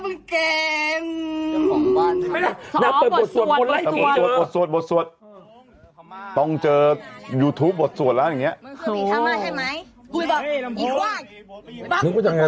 มึงรู้ดีว่าเอ้ยมึงเก่งสอบบทสวดสอบบทสวดบทสวดต้องเจอยูทูปบทสวดแล้วอย่างเงี้ย